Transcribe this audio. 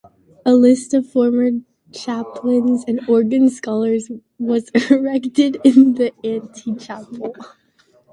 A list of former chaplains and organ scholars was erected in the ante-chapel.